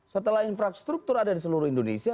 setelah infrastruktur ada di seluruh indonesia